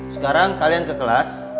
sekarang kalian ke kelas